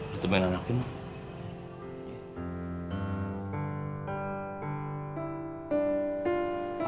lo temen anak gue mah